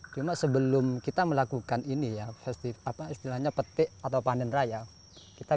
cuma sebelum kita melakukan ini ya festive apa istilahnya petik atau panen raya kita